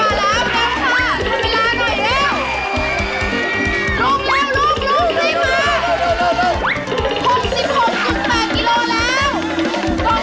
รีบอาบเราก็ต้องทำเวลา